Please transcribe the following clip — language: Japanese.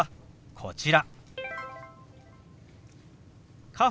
こちら。